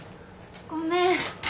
ごめん。